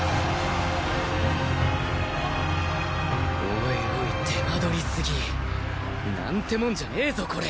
オイオイ手間取りすぎなんてもんじゃねーぞこれ。